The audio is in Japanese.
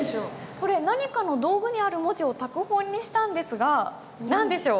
これ何かの道具にある文字を拓本にしたんですが何でしょう？